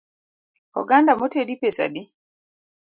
Oganda motedi pesa adi?